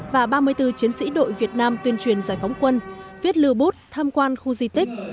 và ba mươi bốn chiến sĩ đội việt nam tuyên truyền giải phóng quân viết lừa bút tham quan khu di tích